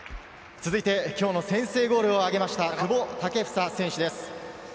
続いて今日の先制ゴールをあげました、久保建英選手です。